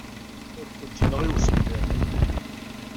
Ur kent-yenɣi usemmiḍ.